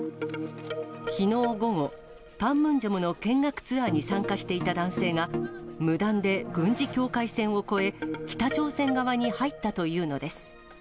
きのう午後、パンムンジョムの見学ツアーに参加していた男性が、無断で軍事境界線を越え、北朝鮮側に入ったというのです。